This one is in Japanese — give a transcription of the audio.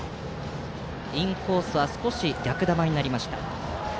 インコースは少し逆球になりました。